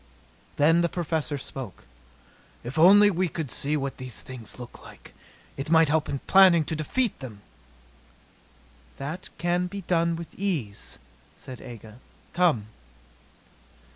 Then the Professor spoke: "If only we could see what these things look like! It might help in planning to defeat them." "That can be done with ease," said Aga. "Come."